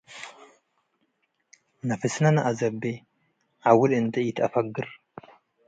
ነፍስነ ነአዘቤ - ዐውል እንዴ ኢተአፈግር